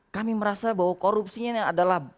kami merasa bahwa korupsinya adalah